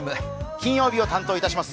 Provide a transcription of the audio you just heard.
金曜日を担当いたします